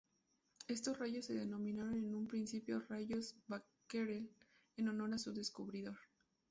Estos rayos se denominaron en un principio rayos Becquerel en honor a su descubridor.